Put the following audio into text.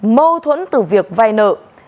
mâu thuẫn từ việc vai nợ